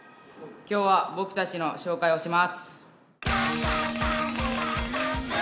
今日は僕たちの紹介をします。